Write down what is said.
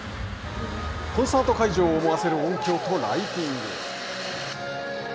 コンサート会場を思わせる音響とライティング。